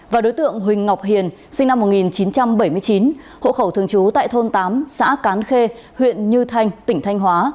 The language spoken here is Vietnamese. và đối tượng huỳnh ngọc hiền sinh năm một nghìn chín trăm bảy mươi chín hộ khẩu thường trú tại thôn tám xã cán khê huyện như thanh tỉnh thanh hóa